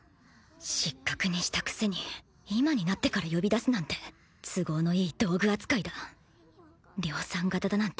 失格にしたくせに今になってから呼び出すなんてないないないない。